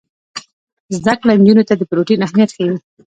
زده کړه نجونو ته د پروټین اهمیت ښيي.